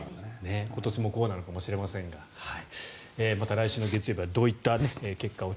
今年もこうなのかもしれませんがまた来週の月曜日はどういった結果を